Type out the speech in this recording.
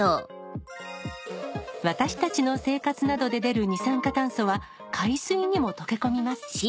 私たちの生活などで出る二酸化炭素は海水にも溶け込みます。